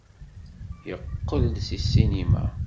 Yeqqel-d seg ssinima.